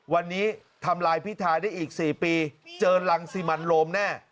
วันนี้ทำลายพิทาได้อีก๔ปีเจอรังสิมันโรมแน่